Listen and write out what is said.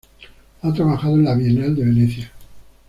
Ha trabajado en la Bienal de Venecia.